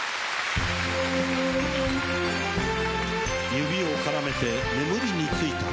指を絡めて眠りについた。